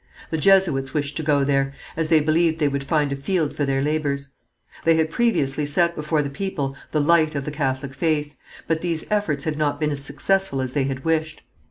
The Jesuits wished to go there, as they believed they would find a field for their labours. They had previously set before the people the light of the Catholic faith, but these efforts had not been as successful as they had wished.